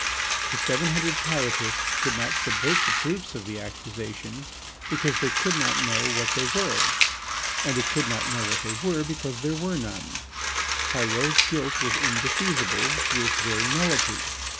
The seven hundred Pyrotists could not subvert the proofs of the accusation because they could not know what they were, and they could not know what they were because there were none. Pyrot's guilt was indefeasible through its very nullity.